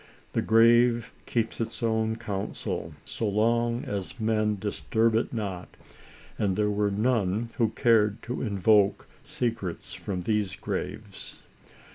The grave keeps its own counsel, so long as men disturb it not, and there were none who cared to invoke secrets from these graves.